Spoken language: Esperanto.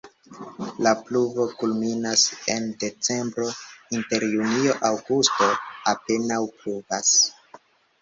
La pluvo kulminas en decembro, inter junio-aŭgusto apenaŭ pluvas.